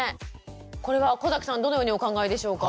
これは小さんどのようにお考えでしょうか？